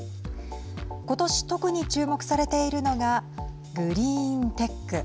今年、特に注目されているのがグリーンテック。